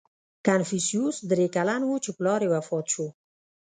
• کنفوسیوس درې کلن و، چې پلار یې وفات شو.